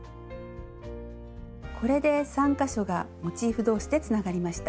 これで３か所がモチーフ同士でつながりました。